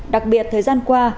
đặc biệt thời gian qua